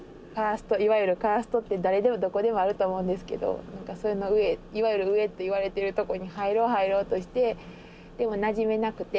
いわゆるカーストって誰でもどこでもあると思うんですけどそれのいわゆる上っていわれてるとこに入ろう入ろうとしてでもなじめなくて。